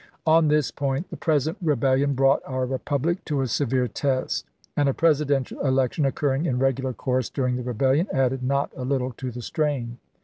On this point the present rebellion brought our republic to a severe test, and a Presidential election occurring in regular course during the rebellion added not a little to the strain.